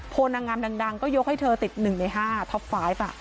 โพลังงามดังก็ยกให้เธอติด๑ใน๕ท็อป๕อ่ะ